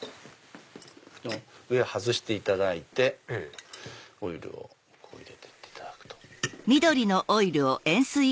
上外していただいてオイルを入れて行っていただく。